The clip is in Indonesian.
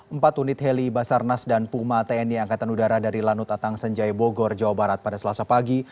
empat unit heli basarnas dan puma tni angkatan udara dari lanut atang senjaya bogor jawa barat pada selasa pagi